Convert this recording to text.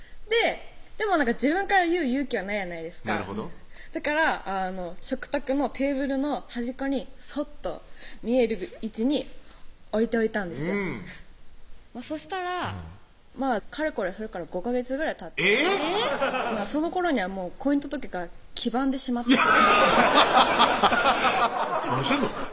でも自分から言う勇気はないやないですかだから食卓のテーブルの端っこにそっと見える位置に置いておいたんですよそしたらかれこれそれから５ヵ月ぐらいたってそのころにはもう婚姻届が黄ばんでしまって何してんの？